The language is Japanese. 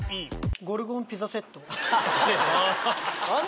ゴルゴンピザセット。